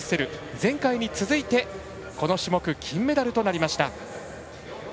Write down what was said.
前回に続いてこの種目、金メダルとなりました。